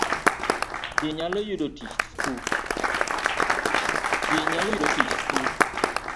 Ji nyalo yudo tich, sku